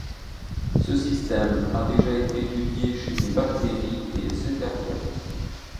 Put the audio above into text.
Ce système a déjà été étudié chez les bactéries et eucaryotes.